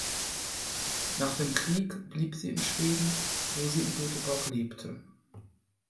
Nach dem Krieg blieb sie in Schweden, wo sie in Göteborg lebte.